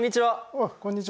あっこんにちは。